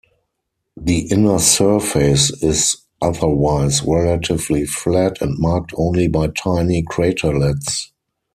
The inner surface is otherwise relatively flat and marked only by tiny craterlets.